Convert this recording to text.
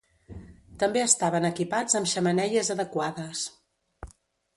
També estaven equipats amb xemeneies adequades.